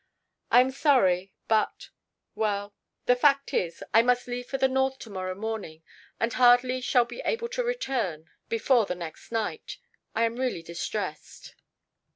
I am sorry but well, the fact is I must leave for the north to morrow morning and hardly shall be able to return before the next night. I am really distressed.